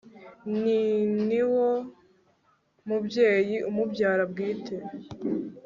ni niwomubyeyi umubyara bwite